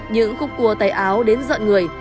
những khúc cua tay áo đến giận người